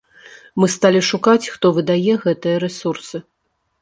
Мы сталі шукаць, хто выдае гэтыя рэсурсы.